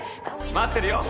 待ってるよ。